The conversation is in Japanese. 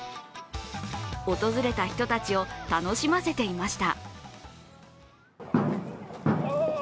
訪れた人たちを楽しませていました。